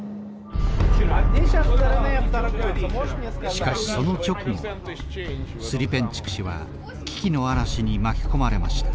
しかしその直後スリペンチュク氏は危機の嵐に巻き込まれました。